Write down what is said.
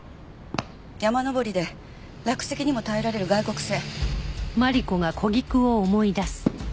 山登りで落石にも耐えられる外国製。